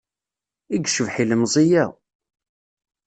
I yecbeḥ ilemẓi-a!